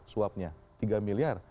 suapnya tiga miliar